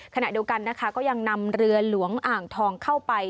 ขณะเดียวกันนะคะก็ยังนำเรือหลวงอ่างทองเข้าไป